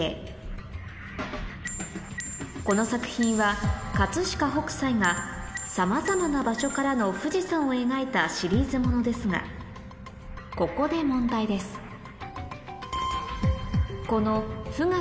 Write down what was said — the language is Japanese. この作品は飾北斎がさまざまな場所からの富士山を描いたシリーズ物ですがここで問題ですえっえ！